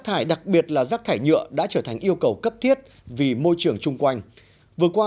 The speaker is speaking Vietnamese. thải đặc biệt là rác thải nhựa đã trở thành yêu cầu cấp thiết vì môi trường chung quanh vừa qua